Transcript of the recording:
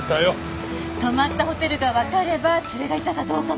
泊まったホテルがわかれば連れがいたかどうかも。